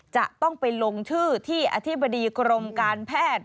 จะต้องไปลงชื่อที่อธิบดีกรมการแพทย์